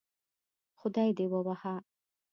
خدای دې ووهه